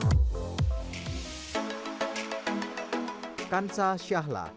kansa syahla penjaga gunung yang terkenal di kutub utara dan selatan